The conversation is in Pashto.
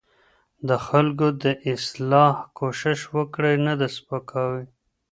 د خلکو د اصلاح کوشش وکړئ نه د سپکاوۍ.